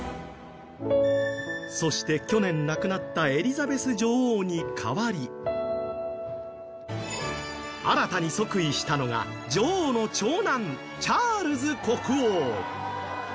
そして、去年亡くなったエリザベス女王に代わり新たに即位したのが女王の長男チャールズ国王。